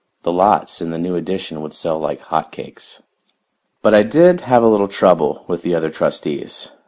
The lots in the new addition would sell like hot cakes. But I did have a little trouble with the other trustees.